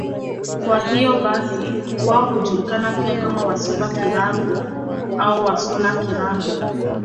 Kwa hiyo basi wao hujulikana pia kama Wasuba-Girango au Wasuna-Girango.